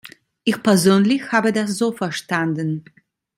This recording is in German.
Ich persönlich habe das so verstanden.